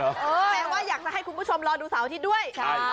แปลว่าอยากจะให้คุณผู้ชมรอดูเสาร์อาทิตย์ด้วย